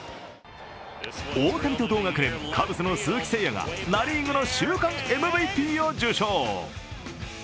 大谷と同学年カブスの鈴木誠也がナ・リーグの週間ＭＶＰを受賞。